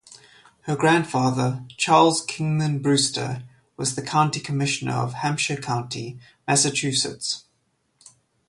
Her grandfather, Charles Kingman Brewster, was the county commissioner of Hampshire County, Massachusetts.